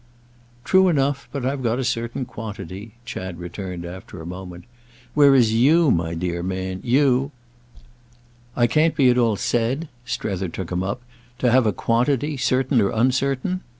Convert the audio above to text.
"True enough; but I've got a certain quantity," Chad returned after a moment. "Whereas you, my dear man, you—" "I can't be at all said"—Strether took him up—"to have a 'quantity' certain or uncertain?